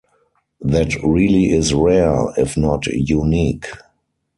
That really is rare, if not unique.